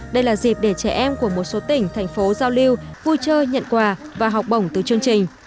đây là dịp để trẻ em của một số tỉnh thành phố giao lưu vui chơi nhận quà và học bổng từ chương trình